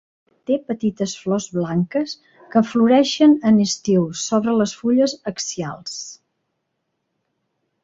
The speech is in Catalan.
Té petites flors blanques que floreixen en estiu sobre les fulles axials.